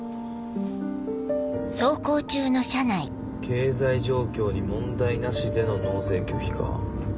経済状況に問題なしでの納税拒否か。